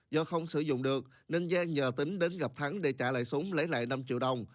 do không sử dụng được nên giang nhờ tính đến gặp thắng để trả lại súng lấy lại năm triệu đồng